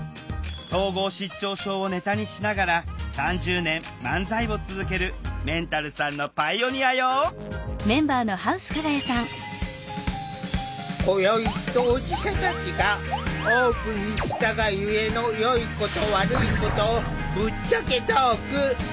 統合失調症をネタにしながら３０年漫才を続けるメンタルさんのパイオニアよ今宵当事者たちがオープンにしたがゆえのよいこと悪いことをぶっちゃけトーク。